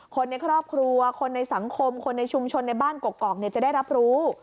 คนในครอบครัวคนในสังคมคนในชุมชนในบ้านกกอกจะได้รับรู้